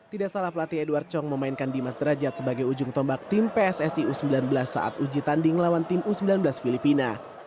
tidak salah pelatih edward chong memainkan dimas derajat sebagai ujung tombak tim pssi u sembilan belas saat uji tanding lawan tim u sembilan belas filipina